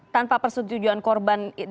tanpa persetujuan korban